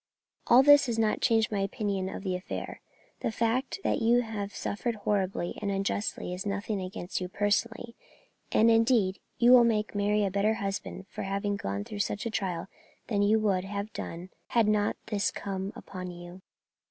All this has not changed my opinion of the affair. The fact that you have suffered horribly and unjustly is nothing against you personally; and, indeed, you will make Mary a better husband for having gone through such a trial than you would have done had not this come upon you."